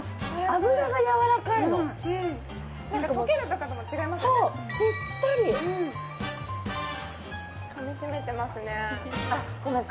脂がやわらかいの溶ける感覚も違いますよね